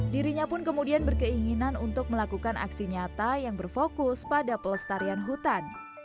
dirinya pun kemudian berkeinginan untuk melakukan aksi nyata yang berfokus pada pelestarian hutan